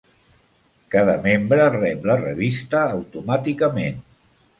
Cada membre rep la revista automàticament.